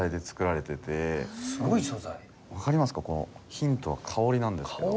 ヒントは香りなんですけども。